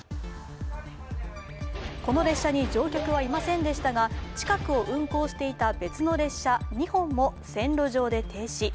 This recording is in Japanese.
この列車に乗客はいませんでしたが、近くを運行していた別の列車２本も、線路上で停止。